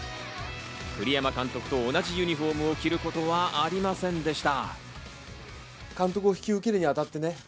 栗山監督と同じユニホームを着ることはありませんでした。